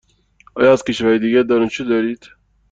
آیا از کشورهای دیگر دانشجو دارید؟